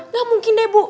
gak mungkin deh bu